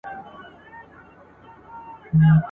د میني او محبت یا د هوس له رويه